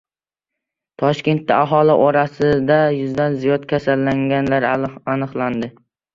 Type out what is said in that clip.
Toshkentda aholi orasida yuzdan ziyod kasallanganlar aniqlandi